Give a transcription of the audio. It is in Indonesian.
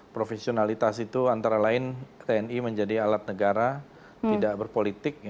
profesionalitas itu antara lain tni menjadi alat negara tidak berpolitik